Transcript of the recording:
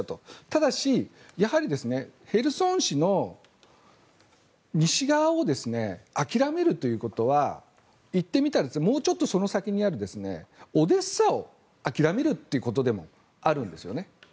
ただし、やはりヘルソン市の西側を諦めるということは言ってみたらもうちょっとその先にあるオデーサを諦めるということでもあるんですね。